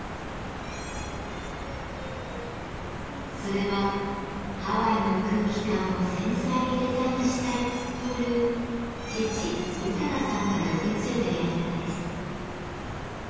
それは「ハワイの空気感を繊細にデザインしたい」という父・豊さんから受け継いだやり方です。